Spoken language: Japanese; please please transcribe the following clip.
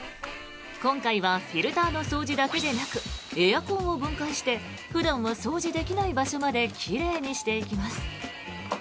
今回はフィルターの掃除だけでなくエアコンを分解して普段掃除できない場所まで奇麗にしていきます。